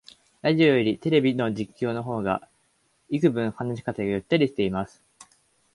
ラジオよりテレビの実況の方がいくぶん話し方がゆったりしてます